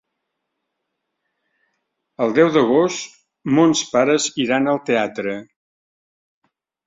El deu d'agost mons pares iran al teatre.